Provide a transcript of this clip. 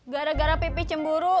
gara gara pipi cemburu